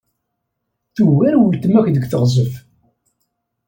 Tugar weltma-k deg teɣzef.